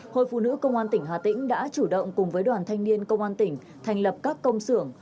hội phụ nữ công an tỉnh hà tĩnh đã chủ động cùng với đoàn thanh niên công an tỉnh thành lập các công xưởng